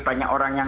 banyak orang yang